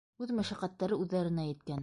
Үҙ мәшәҡәттәре үҙҙәренә еткән.